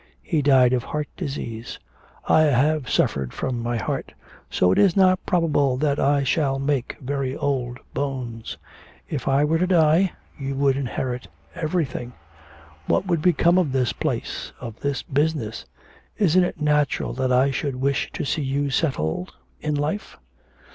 He died of heart disease; I have suffered from my heart, so it is not probable that I shall make very old bones. If I were to die, you would inherit everything. What would become of this place of this business? Isn't it natural that I should wish to see you settled in life?'